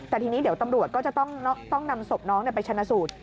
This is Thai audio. แต่ทีนี้เดี๋ยวตำรวจก็จะต้องนำศพน้องไปชนะสูตร